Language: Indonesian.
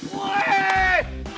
iya juga sih